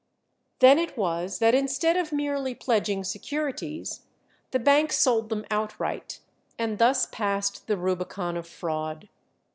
Then it was that instead of merely pledging securities, the bank sold them outright, and thus passed the Rubicon of fraud.